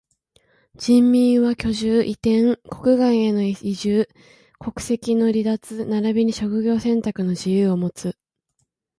人民は居住、移転、国外への移住、国籍の離脱ならびに職業選択の自由をもつ。